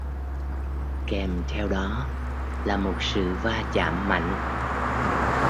Kèm theo đó là một sự va chạm mạnh